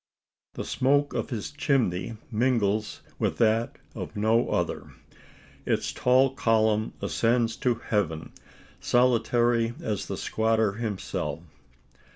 The smoke of his chimney mingles with that of no other: its tall column ascends to heaven solitary as the squatter himself.